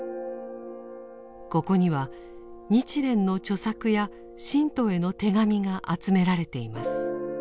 ここには日蓮の著作や信徒への手紙が集められています。